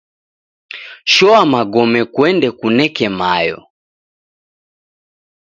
Shoa magome kuende kuneke mayo.